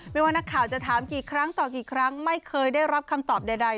ว่านักข่าวจะถามกี่ครั้งต่อกี่ครั้งไม่เคยได้รับคำตอบใด